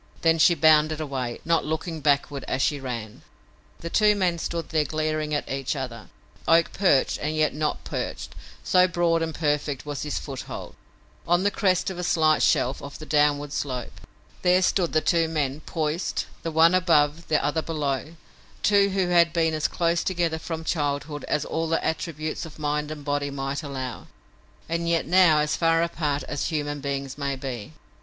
Then she bounded away, not looking backward as she ran. [Illustration: AB STOOD THERE WEAPONLESS, A CREATURE WANDERING OF MIND] The two men stood there glaring at each other, Oak perched, and yet not perched, so broad and perfect was his foothold, on the crest of a slight shelf of the downward slope. There stood the two men, poised, the one above, the other below, two who had been as close together from childhood as all the attributes of mind and body might allow, and yet now as far apart as human beings may be.